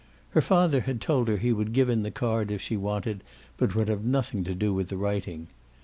Her father had told her he would give in the card if she wanted, but would have nothing to do with the writing.